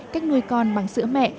cách nuôi con bằng sữa mẹ